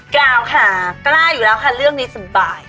กล่าวค่ะกล้าอยู่แล้วค่ะเรื่องนี้สบาย